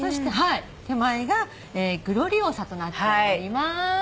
手前がグロリオサとなっております。